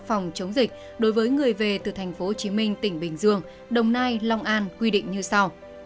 phòng chống dịch đối với người về từ tp hcm tỉnh bình dương đồng nai long an quy định như sau